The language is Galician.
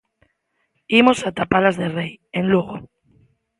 Imos ata Palas de Rei, en Lugo.